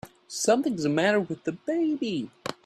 Something's the matter with the baby!